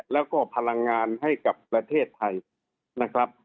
แล้วก็พลังงานให้กับประเทศไทยนะครับ